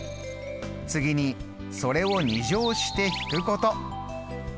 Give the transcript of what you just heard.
次にそれを２乗して引くこと。